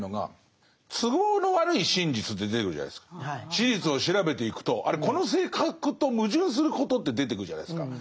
史実を調べていくとこの性格と矛盾することって出てくるじゃないですか。